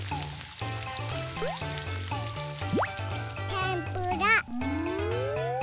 てんぷら。